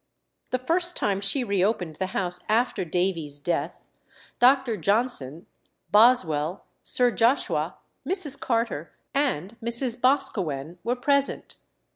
The first time she re opened the house after Davy's death, Dr. Johnson, Boswell, Sir Joshua, Mrs. Carter, and Mrs. Boscawen were present.